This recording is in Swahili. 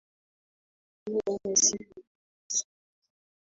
Leo ni siku ndefu sana.